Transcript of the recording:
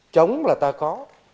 chống là ta có